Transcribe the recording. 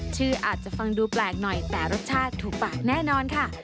ชื่ออาจจะฟังดูแปลกหน่อยแต่รสชาติถูกปากแน่นอนค่ะ